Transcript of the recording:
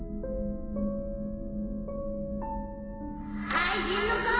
愛人の子！